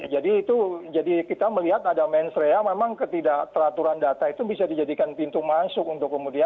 itu jadi kita melihat ada mensrea memang ketidakteraturan data itu bisa dijadikan pintu masuk untuk kemudian